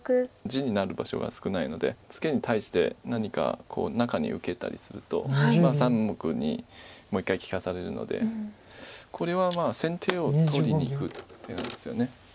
地になる場所が少ないのでツケに対して何か中に受けたりすると３目にもう一回利かされるのでこれは先手を取りにいく手なんですよね。